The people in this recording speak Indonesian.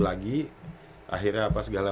lagi akhirnya apa segala